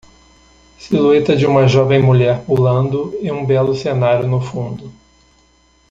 silhueta de uma jovem mulher pulando e um belo cenário no fundo.